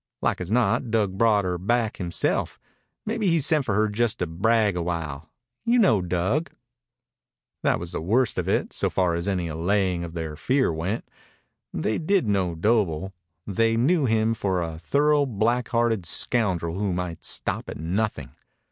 Like as not Dug brought her back himself. Maybe he sent for her just to brag awhile. You know Dug." That was the worst of it, so far as any allaying of their fear went. They did know Doble. They knew him for a thorough black hearted scoundrel who might stop at nothing.